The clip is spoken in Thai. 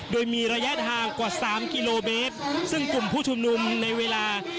โดยมีระยะทางกว่าสามกิโลเมตรซึ่งกลุ่มผู้ชุมนุมในเวลา